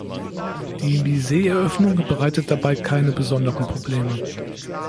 Die Mieses-Eröffnung bereitet dabei keine besonderen Probleme.